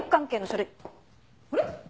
あれ？